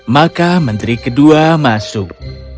maka menteri kedua masuk